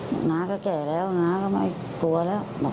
น้าก็แก่แล้วน้าก็ไม่กลัวแล้ว